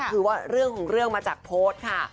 คือว่าเรื่องของเรื่องมาจากโพสต์ค่ะ